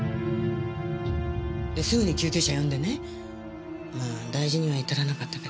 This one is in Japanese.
ですぐに救急車呼んでねまあ大事には至らなかったけどね。